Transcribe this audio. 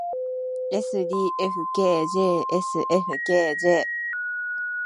ｓｄｆｋｊｓｆｋｊ